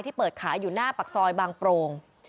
เปิดขายอยู่หน้าปากซอยบางโปรง